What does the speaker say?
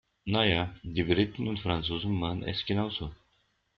Na ja, die Briten und Franzosen machen es genau so.